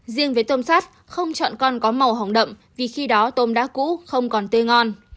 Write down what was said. riêng với tôm sắt không chọn con có màu hỏng đậm vì khi đó tôm đã cũ không còn tươi ngon